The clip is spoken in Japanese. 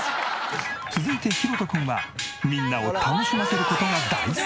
続いてヒロトくんはみんなを楽しませる事が大好き。